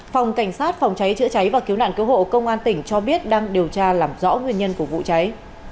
phòng cảnh sát phòng cháy chữa cháy và cứu nạn cứu hộ công an tỉnh cho biết đang điều tra làm rõ nguyên nhân của vụ cháy